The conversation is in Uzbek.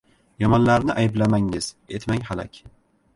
Yomonlarni ayblamangiz, etmang halak